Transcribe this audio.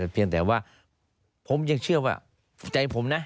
เพียงแต่ว่าผมยังเชื่อว่าใจผมนะ